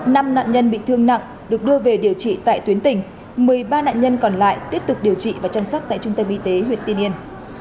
năm nạn nhân bị thương nặng được đưa về điều trị tại tuyến tỉnh một mươi ba nạn nhân còn lại tiếp tục điều trị và chăm sóc tại trung tâm y tế huyện tiên yên